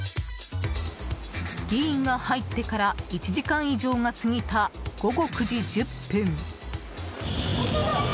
議員が入ってから１時間以上が過ぎた午後９時１０分。